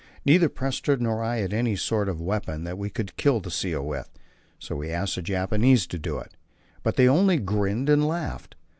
Neither Prestrud nor I had any sort of weapon that we could kill the seal with, so we asked the Japanese to do it, but they only grinned and laughed.